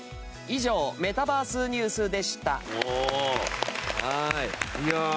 以上メタバースＮＥＷＳでした。